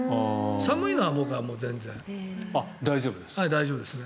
寒いのは僕は全然大丈夫ですね。